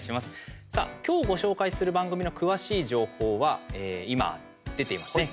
今日ご紹介する番組の詳しい情報は今出ていますね